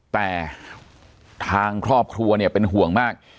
แต่ทางครอบครัวเนี่ยเป็นห่วงมาก